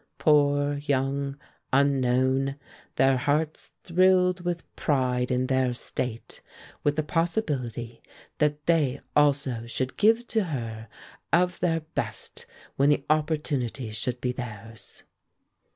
Poor, young, unknown, their hearts thrilled with pride in their State, with the possibility that they also should give to her of their best when the opportunity should be theirs.